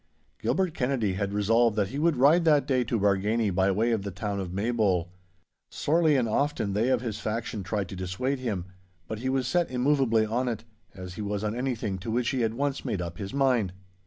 Gilbert Kennedy had resolved that he would ride that day to Bargany by way of the town of Maybole. Sorely and often they of his faction tried to dissuade him, but he was set immovably on it, as he was on anything to which he had once made up his mind.